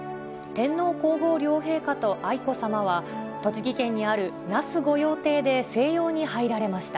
天皇皇后両陛下と愛子さまは、栃木県にある那須御用邸で静養に入られました。